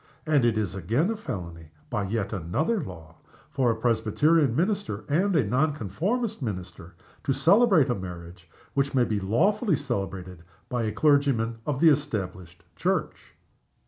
And it is again felony (by yet another law) for a Presbyterian minister and a Non conformist minister to celebrate a marriage which may be lawfully celebrated by a clergyman of the Established Church.